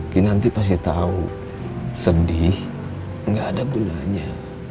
kinanti pasti tau sedih nggak ada gunanya